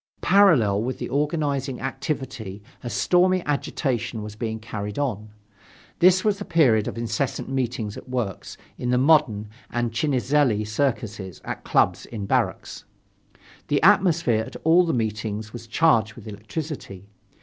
Parallel with the organizing activity a stormy agitation was being carried on. This was the period of incessant meetings at works, in the "Modern" and "Chinizelli" circuses, at clubs, in barracks. The atmosphere at all the meetings was charged with electricity.